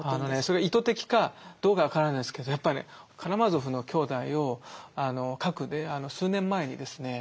それが意図的かどうか分からないですけどやっぱりね「カラマーゾフの兄弟」を書く数年前にですね